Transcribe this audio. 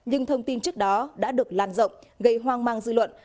nhưng thông tin trước đó đã được lan rộng gây hoang mang dư luận